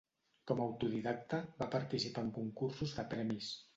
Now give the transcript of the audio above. Com a autodidacta, va participar en concursos de premis.